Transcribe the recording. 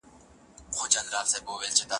بې له تا نه د اسمان سپینه سپوږمۍ هم